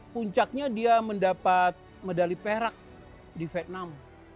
puncaknya dia mendapat medali perak di vietnam